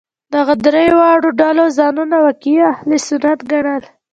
دغو درې واړو ډلو ځانونه واقعي اهل سنت ګڼل.